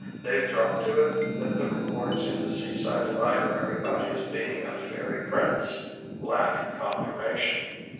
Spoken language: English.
TheyŌĆÖve dropped to it that the reports in the Seaside Library about his being a fairy prince lack confirmation.